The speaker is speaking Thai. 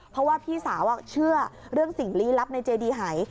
เพราะว่าพี่สาวเชื่อเรื่องสิ่งลี้ลับในเจดีหาย